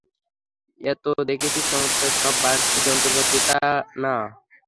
এতো দেখছি, চমৎকার সব বাড়তি যন্ত্রপাতি, তাই না?